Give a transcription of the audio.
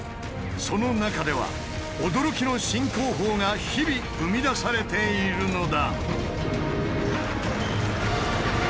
その中では驚きの新工法が日々生み出されているのだ。